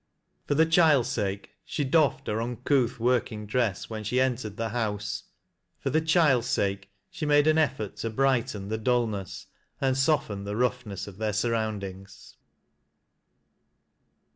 Fjr the child's sake she dcfFed her uncouth working dress when she entered the house ; for the child's sake she made an effort to brighten the dullness, and soften the roughness of their surroundings.